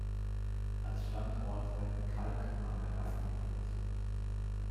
Als Standort werden Kalkmagerrasen bevorzugt.